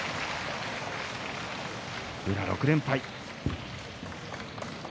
宇良は６連敗。